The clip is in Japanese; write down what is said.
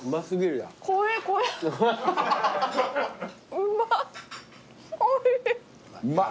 うまっ。